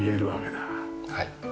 はい。